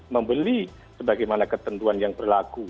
membeli sebagaimana ketentuan yang berlaku